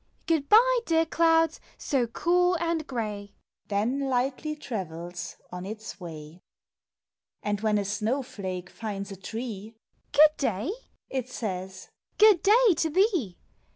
Good bye, dear clouds, so cool and gray !" Then lightly travels on its way. And when a snow flake finds a tree, "Good day!" it says — "Good day to thee!